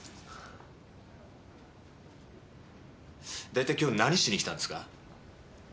大体今日何しにきたんですか？